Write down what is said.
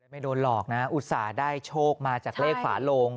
ไม่โดนหลอกนะอุตส่าห์ได้โชคมาจากเลขฝาโลง